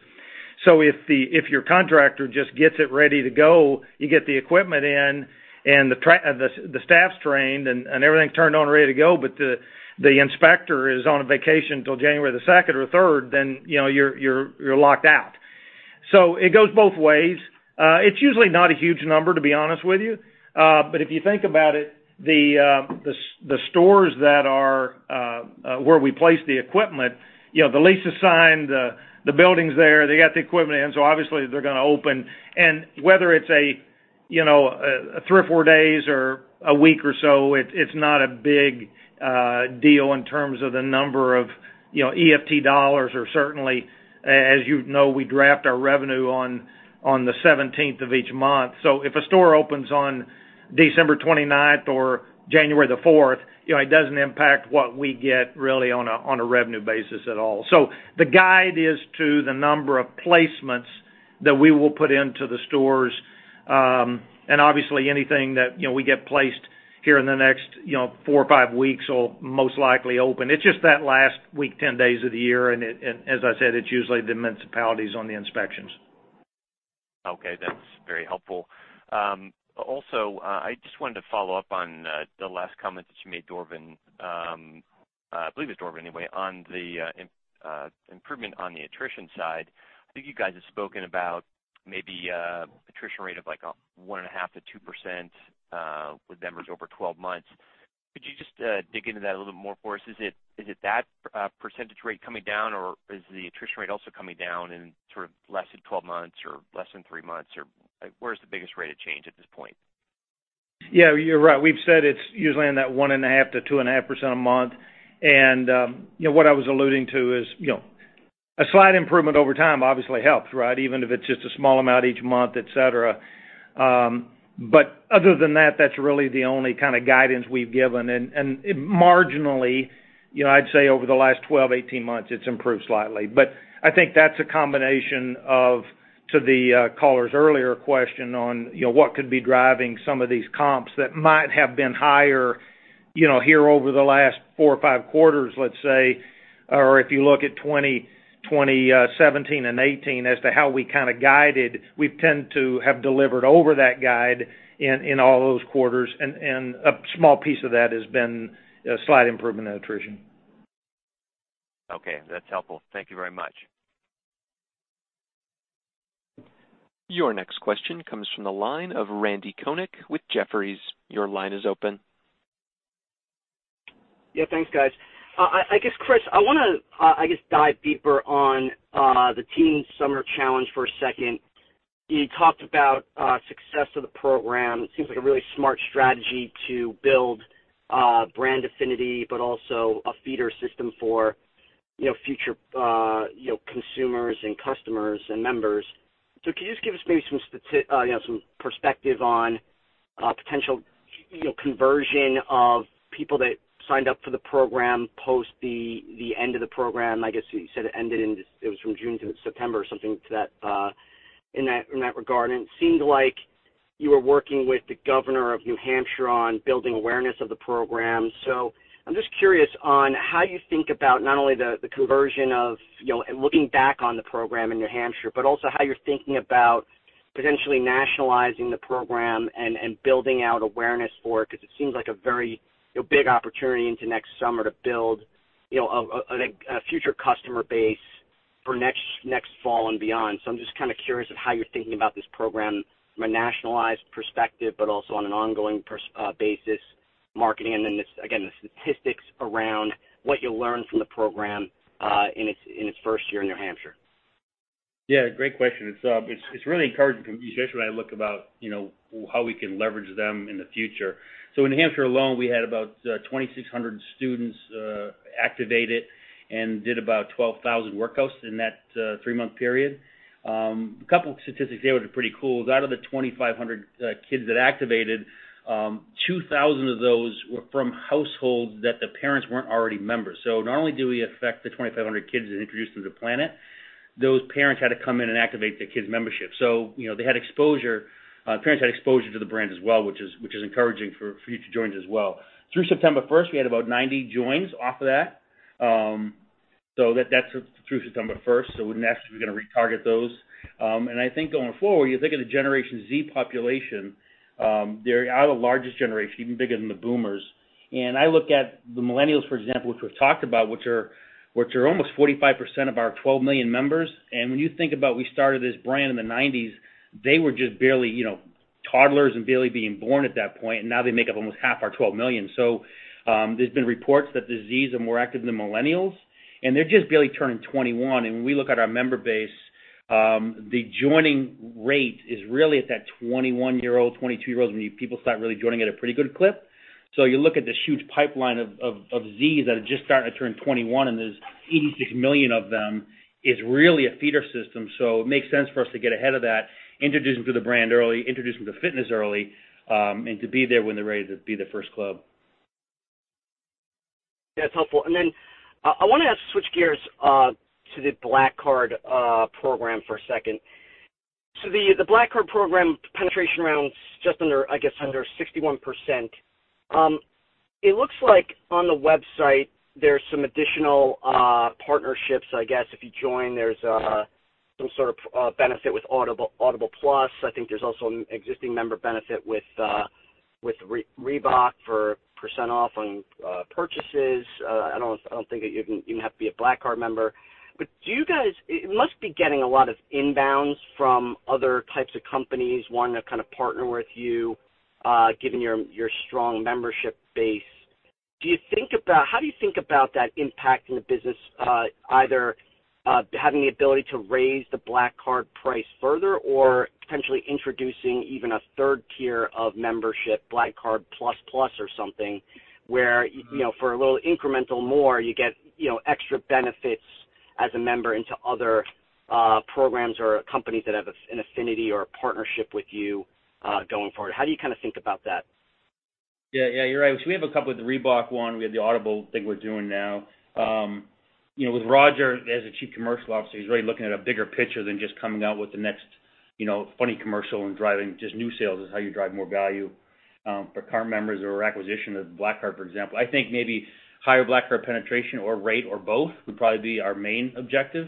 If your contractor just gets it ready to go, you get the equipment in, the staff's trained and everything's turned on and ready to go, but the inspector is on a vacation till January the 2nd or 3rd, you're locked out. It goes both ways. It's usually not a huge number, to be honest with you. If you think about it, the stores where we place the equipment, the lease is signed, the building's there, they got the equipment in, obviously they're going to open. Whether it's three or four days or a week or so, it's not a big deal in terms of the number of EFT dollars, or certainly, as you know, we draft our revenue on the 17th of each month. If a store opens on December 29th or January the 4th, it doesn't impact what we get really on a revenue basis at all. The guide is to the number of placements that we will put into the stores. Obviously anything that we get placed here in the next four or five weeks will most likely open. It's just that last week, 10 days of the year, as I said, it's usually the municipalities on the inspections. Okay, that's very helpful. Also, I just wanted to follow up on the last comment that you made, Dorvin. I believe it's Dorvin, anyway, on the improvement on the attrition side. I think you guys have spoken about maybe attrition rate of like one and a half to 2% with members over 12 months. Could you just dig into that a little bit more for us? Is it that percentage rate coming down, or is the attrition rate also coming down in sort of less than 12 months or less than three months, or where's the biggest rate of change at this point? Yeah, you're right. We've said it's usually in that one and a half to two and a half% a month. What I was alluding to is, a slight improvement over time obviously helps, right? Even if it's just a small amount each month, et cetera. Other than that's really the only kind of guidance we've given. Marginally, I'd say over the last 12, 18 months, it's improved slightly. But I think that's a combination of, to the caller's earlier question on what could be driving some of these comps that might have been higher here over the last four or five quarters, let's say, or if you look at 2017 and 2018 as to how we kind of guided, we tend to have delivered over that guide in all those quarters, a small piece of that has been a slight improvement in attrition. Okay, that's helpful. Thank you very much. Your next question comes from the line of Randal Konik with Jefferies. Your line is open. Yeah, thanks, guys. I guess, Chris, I want to dive deeper on the Teen Summer Challenge for a second. You talked about success of the program. It seems like a really smart strategy to build brand affinity, but also a feeder system for future consumers and customers and members. Can you just give us maybe some perspective on potential conversion of people that signed up for the program post the end of the program? I guess you said it was from June to September or something in that regard. It seemed like you were working with the governor of New Hampshire on building awareness of the program. I'm just curious on how you think about not only the conversion of looking back on the program in New Hampshire, but also how you're thinking about potentially nationalizing the program and building out awareness for it, because it seems like a very big opportunity into next summer to build a future customer base for next fall and beyond. I'm just kind of curious of how you're thinking about this program from a nationalized perspective, but also on an ongoing basis marketing and then, again, the statistics around what you'll learn from the program, in its first year in New Hampshire. Yeah, great question. It's really encouraging, especially when I look about how we can leverage them in the future. In New Hampshire alone, we had about 2,600 students activated and did about 12,000 workouts in that three-month period. A couple statistics there that are pretty cool is out of the 2,500 kids that activated, 2,000 of those were from households that the parents weren't already members. Not only do we affect the 2,500 kids and introduce them to Planet, those parents had to come in and activate their kids' membership. They had exposure, parents had exposure to the brand as well, which is encouraging for future joins as well. Through September 1st, we had about 90 joins off of that. That's through September 1st, so next we're going to retarget those. I think going forward, you think of the Generation Z population, they are the largest generation, even bigger than the boomers. I look at the millennials, for example, which we've talked about, which are almost 45% of our 12 million members. When you think about we started this brand in the '90s, they were just barely toddlers and barely being born at that point, and now they make up almost half our 12 million. There's been reports that the Zs are more active than the millennials, and they're just barely turning 21. When we look at our member base, the joining rate is really at that 21-year-old, 22-year-olds, when people start really joining at a pretty good clip. You look at this huge pipeline of Zs that are just starting to turn 21, and there's 86 million of them, is really a feeder system. It makes sense for us to get ahead of that, introduce them to the brand early, introduce them to fitness early, and to be there when they're ready to be their first club. That's helpful. Then I want to switch gears to the Black Card program for a second. The Black Card program penetration around just under, I guess, 61%. It looks like on the website there's some additional partnerships, I guess, if you join, there's some sort of benefit with Audible Plus. I think there's also an existing member benefit with Reebok for percent off on purchases. I don't think that you even have to be a Black Card member. You guys must be getting a lot of inbounds from other types of companies wanting to partner with you, given your strong membership base. How do you think about that impact in the business, either having the ability to raise the Black Card price further or potentially introducing even a third tier of membership, Black Card Plus Plus or something, where for a little incremental more you get extra benefits as a member into other programs or companies that have an affinity or a partnership with you going forward. How do you think about that? Yeah, you're right. We have a couple. The Reebok one, we have the Audible thing we're doing now. With Roger as the Chief Commercial Officer, he's really looking at a bigger picture than just coming out with the next funny commercial and driving just new sales, is how you drive more value for current members or acquisition of Black Card, for example. I think maybe higher Black Card penetration or rate or both would probably be our main objective.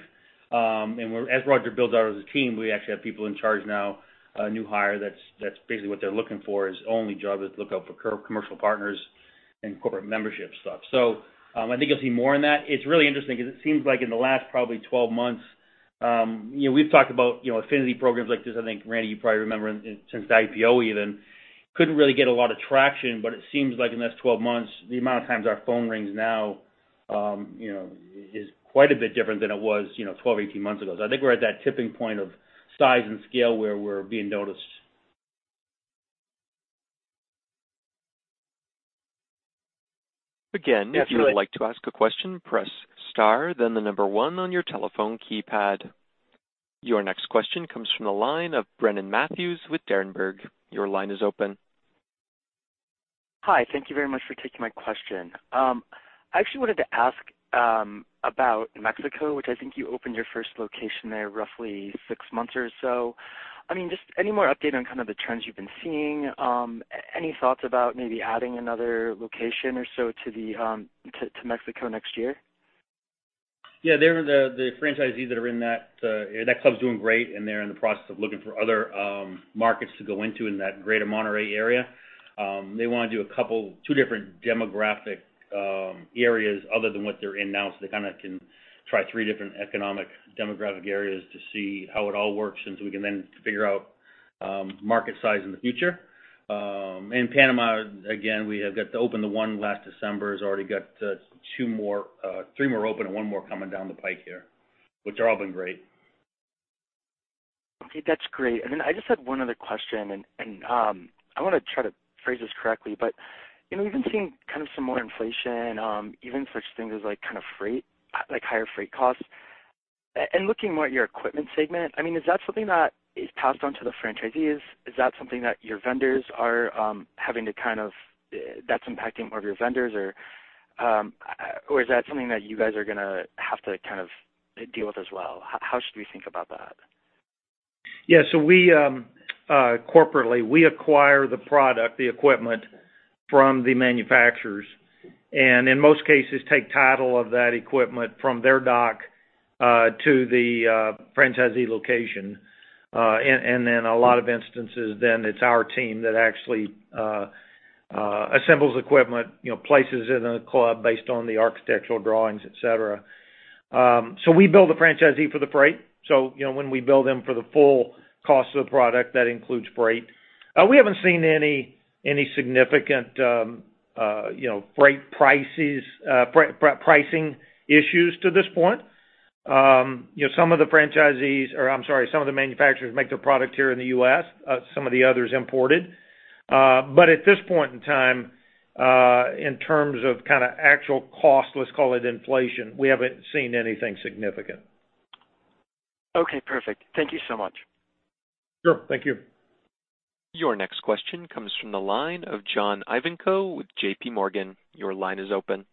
As Roger builds out as a team, we actually have people in charge now, a new hire, that's basically what they're looking for, his only job is to look out for commercial partners and corporate membership stuff. I think you'll see more in that. It's really interesting because it seems like in the last probably 12 months, we've talked about affinity programs like this, I think, Randy, you probably remember since the IPO even, couldn't really get a lot of traction, but it seems like in the last 12 months, the amount of times our phone rings now is quite a bit different than it was 12, 18 months ago. I think we're at that tipping point of size and scale where we're being noticed. Again, if you would like to ask a question, press star, then the number 1 on your telephone keypad. Your next question comes from the line of Brennan Matthews with Berenberg. Your line is open. Hi. Thank you very much for taking my question. I actually wanted to ask about Mexico, which I think you opened your first location there roughly six months or so. Just any more update on kind of the trends you've been seeing? Any thoughts about maybe adding another location or so to Mexico next year? Yeah, the franchisees that are in that club's doing great. They're in the process of looking for other markets to go into in that greater Monterrey area. They want to do two different demographic areas other than what they're in now. They kind of can try three different economic demographic areas to see how it all works. We can then figure out market size in the future. In Panama, again, we have got open the one last December, has already got three more open and one more coming down the pike here, which are all been great. Okay, that's great. I just had one other question. I want to try to phrase this correctly, but we've been seeing some more inflation, even such things as higher freight costs. Looking more at your equipment segment, is that something that is passed on to the franchisees? Is that something that's impacting more of your vendors, or is that something that you guys are going to have to deal with as well? How should we think about that? Yeah. Corporately, we acquire the product, the equipment from the manufacturers. In most cases, take title of that equipment from their dock to the franchisee location. In a lot of instances, it's our team that actually assembles equipment, places it in a club based on the architectural drawings, et cetera. We bill the franchisee for the freight. When we bill them for the full cost of the product, that includes freight. We haven't seen any significant freight pricing issues to this point. Some of the franchisees, or I'm sorry, some of the manufacturers make their product here in the U.S., some of the others imported. At this point in time, in terms of kind of actual cost, let's call it inflation, we haven't seen anything significant. Okay, perfect. Thank you so much. Sure. Thank you. Your next question comes from the line of John Ivankoe with JPMorgan. Your line is open.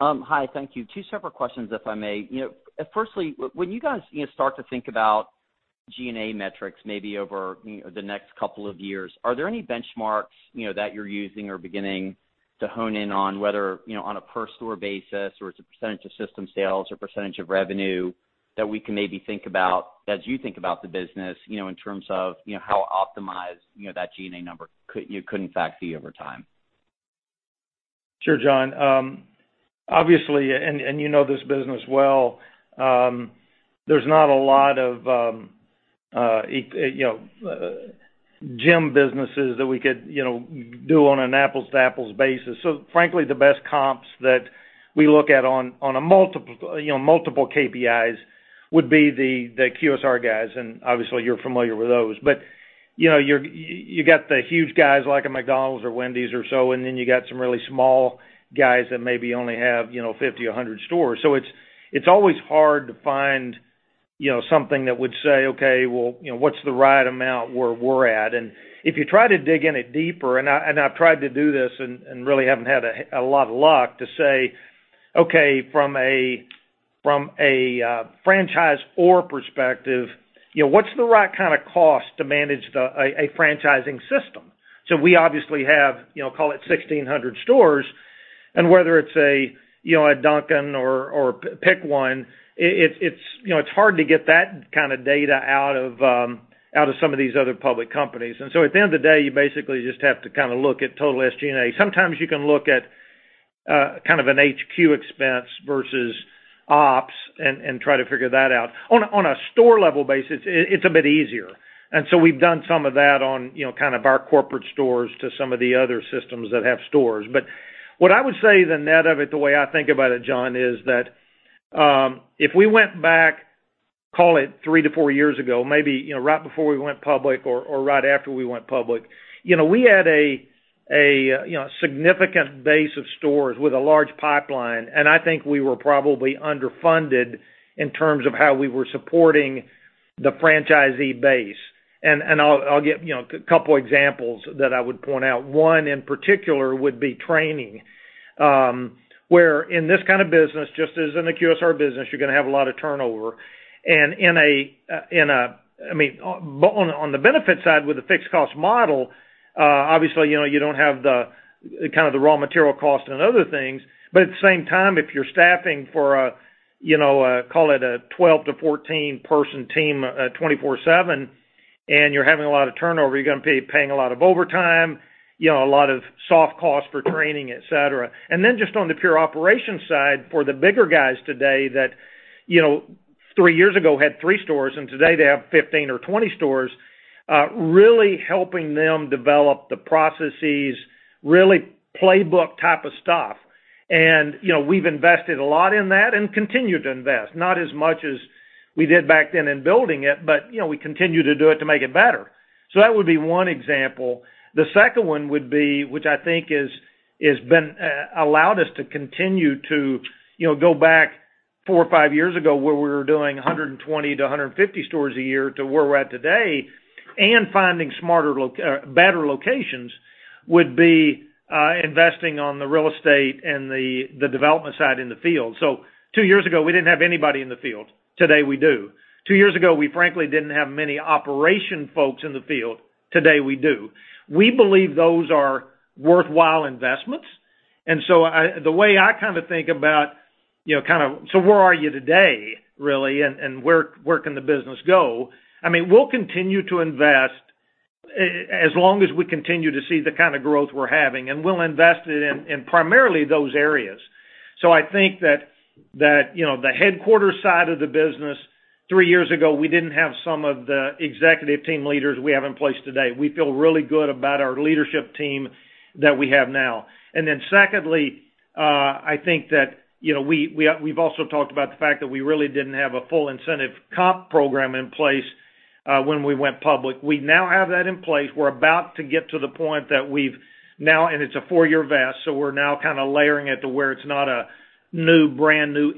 Hi. Thank you. Two separate questions, if I may. Firstly, when you guys start to think about G&A metrics, maybe over the next couple of years, are there any benchmarks that you're using or beginning to hone in on, whether on a per store basis or it's a percentage of system sales or percentage of revenue? That we can maybe think about as you think about the business, in terms of how optimized that G&A number could in fact be over time. Sure, John. Obviously, and you know this business well, there's not a lot of gym businesses that we could do on an apples-to-apples basis. Frankly, the best comps that we look at on a multiple KPIs would be the QSR guys, and obviously you're familiar with those. You got the huge guys like a McDonald's or Wendy's or so, and then you got some really small guys that maybe only have 50 or 100 stores. It's always hard to find something that would say, "Okay, well, what's the right amount where we're at?" If you try to dig in it deeper, and I've tried to do this and really haven't had a lot of luck to say, "Okay, from a franchisor perspective, what's the right kind of cost to manage a franchising system?" We obviously have, call it 1,600 stores, and whether it's a Dunkin' or pick one, it's hard to get that kind of data out of some of these other public companies. At the end of the day, you basically just have to look at total SG&A. Sometimes you can look at an HQ expense versus ops and try to figure that out. On a store level basis, it's a bit easier. We've done some of that on our corporate stores to some of the other systems that have stores. What I would say the net of it, the way I think about it, John, is that, if we went back, call it three to four years ago, maybe right before we went public or right after we went public, we had a significant base of stores with a large pipeline, and I think we were probably underfunded in terms of how we were supporting the franchisee base. I'll give a couple examples that I would point out. One in particular would be training, where in this kind of business, just as in the QSR business, you're going to have a lot of turnover. On the benefit side with a fixed cost model, obviously, you don't have the raw material cost and other things, but at the same time, if you're staffing for a, call it a 12 to 14-person team, 24/7, and you're having a lot of turnover, you're going to be paying a lot of overtime, a lot of soft costs for training, et cetera. Just on the pure operation side for the bigger guys today that three years ago had three stores, and today they have 15 or 20 stores, really helping them develop the processes, really playbook type of stuff. We've invested a lot in that and continue to invest. Not as much as we did back then in building it, but we continue to do it to make it better. That would be one example. The second one would be, which I think has allowed us to continue to go back four or five years ago where we were doing 120 to 150 stores a year to where we're at today and finding better locations, would be investing on the real estate and the development side in the field. Two years ago, we didn't have anybody in the field. Today we do. Two years ago, we frankly didn't have many operation folks in the field. Today we do. We believe those are worthwhile investments, the way I think about, where are you today, really, and where can the business go? We'll continue to invest as long as we continue to see the kind of growth we're having, and we'll invest it in primarily those areas. I think that the headquarters side of the business, three years ago, we didn't have some of the executive team leaders we have in place today. We feel really good about our leadership team that we have now. Secondly, I think that we've also talked about the fact that we really didn't have a full incentive comp program in place when we went public. We now have that in place. We're about to get to the point that we've now, and it's a four-year vest, so we're now kind of layering it to where it's not a brand new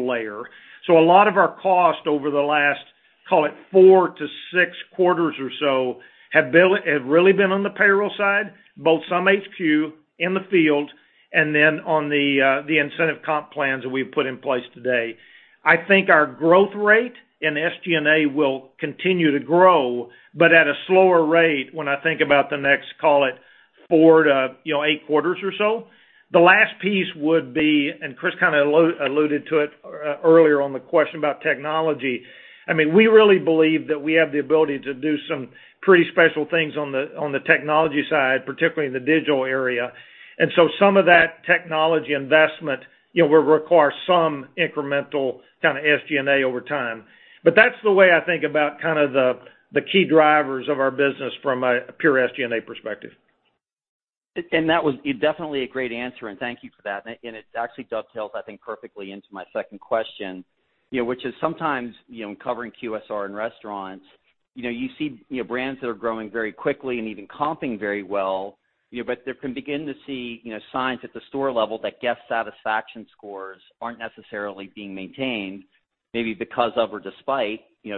incremental layer. A lot of our cost over the last, call it four to six quarters or so, have really been on the payroll side, both some HQ, in the field, and then on the incentive comp plans that we've put in place today. I think our growth rate and SG&A will continue to grow, but at a slower rate when I think about the next, call it four to eight quarters or so. The last piece would be, and Chris kind of alluded to it earlier on the question about technology. We really believe that we have the ability to do some pretty special things on the technology side, particularly in the digital area. Some of that technology investment will require some incremental kind of SG&A over time. That's the way I think about the key drivers of our business from a pure SG&A perspective. That was definitely a great answer, and thank you for that. It actually dovetails, I think, perfectly into my second question, which is sometimes, in covering QSR and restaurants, you see brands that are growing very quickly and even comping very well, but they can begin to see signs at the store level that guest satisfaction scores aren't necessarily being maintained, maybe because of or despite the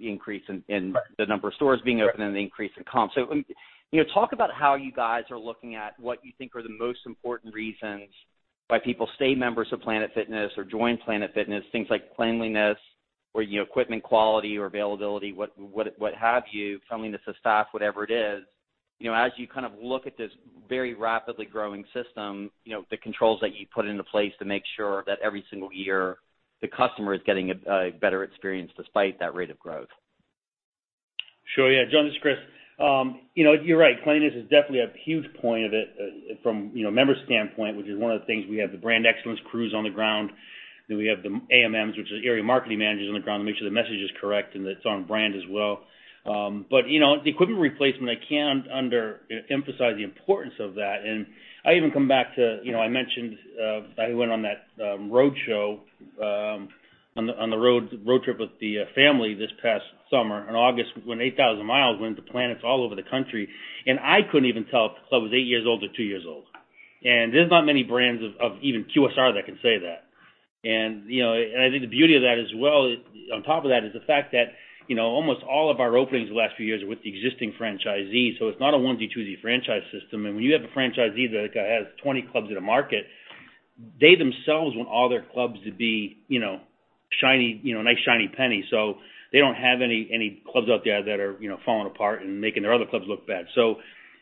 increase in the number of stores being opened and the increase in comp. Talk about how you guys are looking at what you think are the most important reasons why people stay members of Planet Fitness or join Planet Fitness, things like cleanliness or equipment quality or availability, what have you, friendliness of staff, whatever it is. As you look at this very rapidly growing system, the controls that you put into place to make sure that every single year the customer is getting a better experience despite that rate of growth. Sure. Yeah, John, this is Chris. You're right. Cleanliness is definitely a huge point of it from member standpoint, which is one of the things, we have the Brand Excellence Crews on the ground, we have the AMMs, which is Area Marketing Managers on the ground to make sure the message is correct and it's on brand as well. The equipment replacement, I can't under-emphasize the importance of that. I even come back to, I mentioned, I went on that road show, on the road trip with the family this past summer in August, went 8,000 miles, went to Planet Fitness all over the country, and I couldn't even tell if a club was eight years old or two years old. There's not many brands of even QSR that can say that. I think the beauty of that as well, on top of that, is the fact that almost all of our openings the last few years are with the existing franchisees. It's not a one Z, two Z franchise system. When you have a franchisee that has 20 clubs in a market, they themselves want all their clubs to be a nice shiny penny. They don't have any clubs out there that are falling apart and making their other clubs look bad.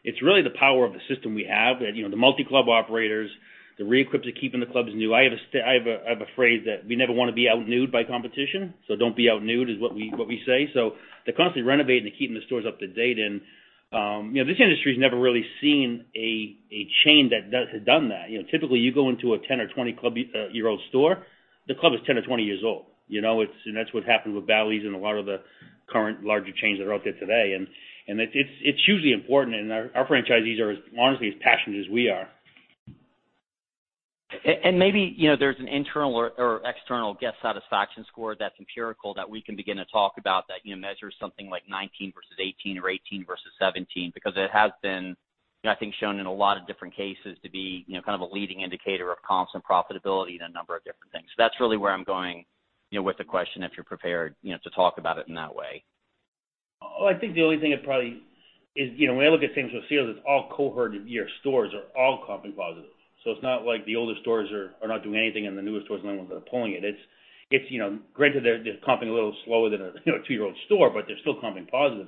It's really the power of the system we have that the multi-club operators, the re-equip to keeping the clubs new. I have a phrase that we never want to be out-newed by competition. Don't be out-newed is what we say. They're constantly renovating and keeping the stores up to date and this industry's never really seen a chain that has done that. Typically, you go into a 10 or 20-club-year-old store, the club is 10 or 20 years old. That's what happened with Bally's and a lot of the current larger chains that are out there today. It's hugely important, and our franchisees are as honestly as passionate as we are. Maybe there's an internal or external guest satisfaction score that's empirical that we can begin to talk about that measures something like 19 versus 18 or 18 versus 17 because it has been, I think, shown in a lot of different cases to be a leading indicator of comps and profitability in a number of different things. That's really where I'm going with the question if you're prepared to talk about it in that way. I think the only thing it probably is, when I look at things with sales, it's all cohort of year stores are all comping positive. It's not like the older stores are not doing anything and the newer stores are the only ones that are pulling it. Granted, they're comping a little slower than a two-year-old store, but they're still comping positive.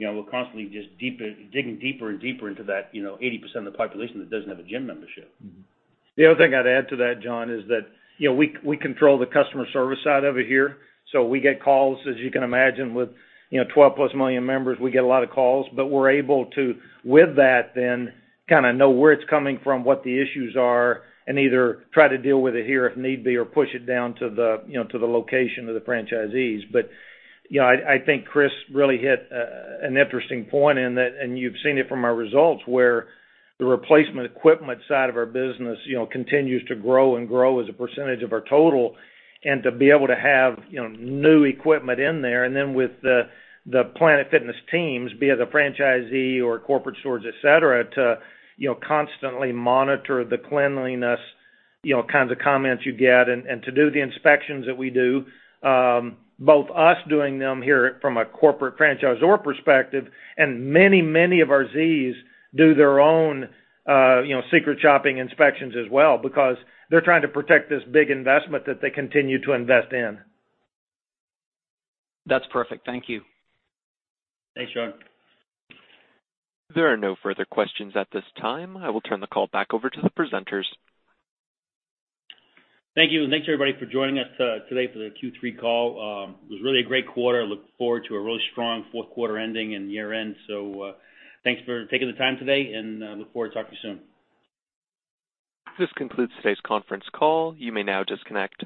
We're constantly just digging deeper and deeper into that 80% of the population that doesn't have a gym membership. The other thing I'd add to that, John, is that we control the customer service side of it here. We get calls, as you can imagine, with 12-plus million members, we get a lot of calls. We're able to, with that then, know where it's coming from, what the issues are, and either try to deal with it here if need be or push it down to the location of the franchisees. I think Chris really hit an interesting point in that, and you've seen it from our results, where the replacement equipment side of our business continues to grow and grow as a percentage of our total. To be able to have new equipment in there, and then with the Planet Fitness teams, be it the franchisee or corporate stores, et cetera, to constantly monitor the cleanliness, kinds of comments you get and to do the inspections that we do, both us doing them here from a corporate franchise or perspective. Many of our Zs do their own secret shopping inspections as well because they're trying to protect this big investment that they continue to invest in. That's perfect. Thank you. Thanks, John. There are no further questions at this time. I will turn the call back over to the presenters. Thank you. Thanks everybody for joining us today for the Q3 call. It was really a great quarter. Look forward to a really strong fourth quarter ending and year-end. Thanks for taking the time today and look forward to talking soon. This concludes today's conference call. You may now disconnect.